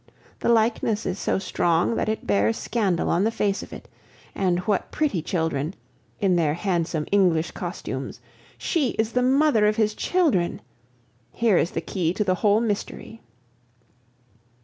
The likeness is so strong that it bears scandal on the face of it. And what pretty children! in their handsome English costumes! She is the mother of his children. Here is the key to the whole mystery.